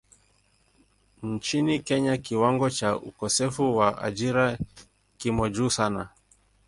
Nchini Kenya kiwango cha ukosefu wa ajira kimo juu sana.